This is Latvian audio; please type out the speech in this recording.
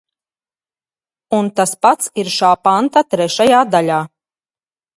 Un tas pats ir šā panta trešajā daļā.